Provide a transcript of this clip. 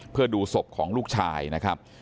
เพื่อดูศพของลูกชายนะครับ